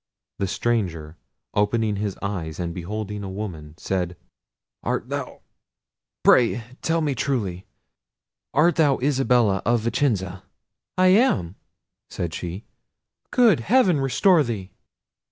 The stranger, opening his eyes, and beholding a woman, said, "Art thou—pray tell me truly—art thou Isabella of Vicenza?" "I am," said she: "good heaven restore thee!"